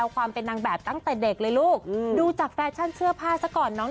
ความเป็นนางแบบตั้งแต่เด็กเลยลูกดูจากแฟชั่นเสื้อผ้าซะก่อนน้อง